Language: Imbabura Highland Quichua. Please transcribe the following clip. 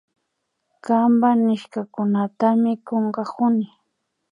Kanpa nishkakunatami kunkakuni